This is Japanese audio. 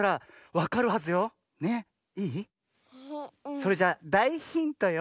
それじゃあだいヒントよ。